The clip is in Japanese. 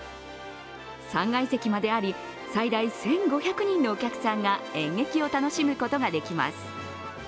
３階席まであり、最大１５００人のお客さんが演劇を楽しむことができます。